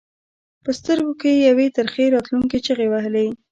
په سترګو کې یې یوې ترخې راتلونکې چغې وهلې.